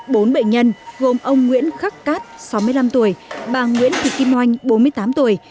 bốn bệnh nhân gồm ông nguyễn khắc cát sáu mươi năm tuổi bà nguyễn thị kim oanh bốn mươi tám tuổi